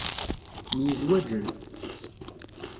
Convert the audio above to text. Myizwaǧen.